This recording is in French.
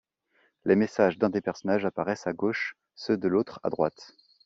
Les messages d'un des personnages apparaissent à gauche, ceux de l'autre à droite.